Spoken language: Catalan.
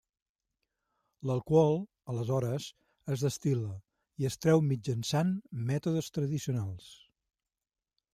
L'alcohol, aleshores, es destil·la i es treu mitjançant mètodes tradicionals.